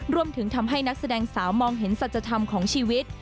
รวมถึงทำให้นักแสดงสาวมองเห็นสัจธรรมของชีวิต